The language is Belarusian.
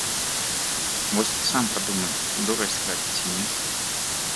Вось ты сам падумай, дурасць гэта ці не?